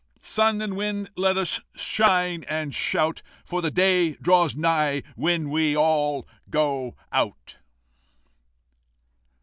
Sun and Wind, let us shine and shout, For the day draws nigh when we all go out!"